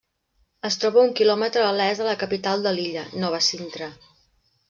Es troba a un quilòmetre a l'est de la capital de l'illa, Nova Sintra.